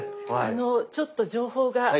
あのちょっと情報が。